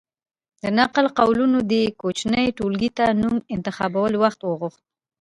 د نقل قولونو دې کوچنۍ ټولګې ته نوم انتخابول وخت وغوښت.